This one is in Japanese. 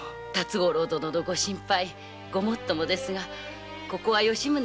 辰五郎殿のご心配ごもっともですがここは吉宗殿に。